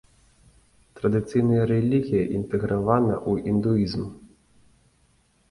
Традыцыйная рэлігія інтэгравана ў індуізм.